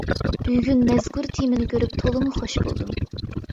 بۈگۈن مەزكۇر تېمىنى كۆرۈپ تولىمۇ خوش بولدۇم.